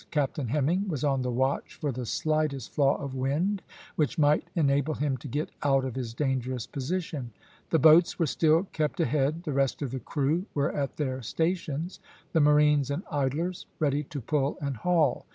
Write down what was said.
Captain Hemming was on the watch for the slightest flaw of wind which might enable him to get out of his dangerous position. The boats were still kept ahead; the rest of the crew were at their stations, the marines and idlers ready to pull and haul.